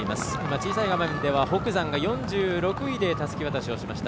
小さい画面では北山が４６位でたすき渡しをしました。